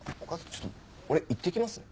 ちょっと俺行ってきますね。